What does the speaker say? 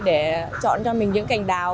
để chọn cho mình những cành đào